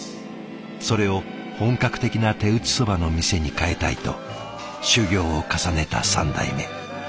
それを本格的な手打ちそばの店に変えたいと修業を重ねた３代目。